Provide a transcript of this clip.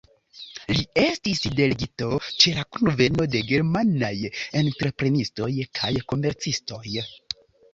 Li estis delegito ĉe la kunveno de germanaj entreprenistoj kaj komercistoj.